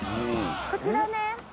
こちらです。